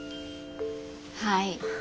はい。